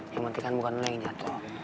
yang penting kan bukan lo yang jatuh